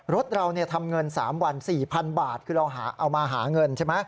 รถเราทำเงิน๓วัน๔๐๐๐บาทคือเราเอามาหาเงินใช่ไหม